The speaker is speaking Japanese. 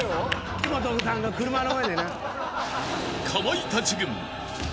木本さんが車の上でな。